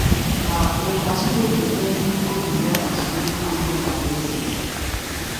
ma kpee ka Chineke nye mkpụrụobi ya ezumike udo n'alaeze Ya.